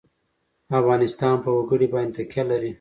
افغانستان په وګړي باندې تکیه لري.